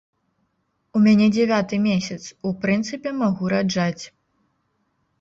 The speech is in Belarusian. У мяне дзявяты месяц, у прынцыпе, магу раджаць.